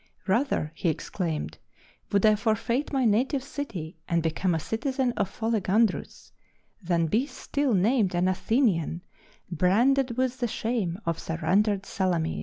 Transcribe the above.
"Rather (he exclaimed) would I forfeit my native city and become a citizen of Pholegandrus, than be still named an Athenian, branded with the shame of surrendered Salamis!"